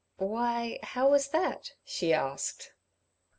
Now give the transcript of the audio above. "Why, how was that?" she asked.